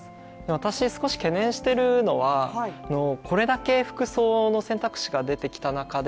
私、少し懸念してるのはこれだけ服装の選択肢が出てきた中で、